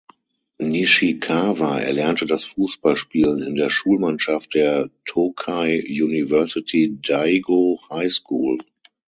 Nishikawa erlernte das Fußballspielen in der Schulmannschaft der "Tokai University Daigo High School".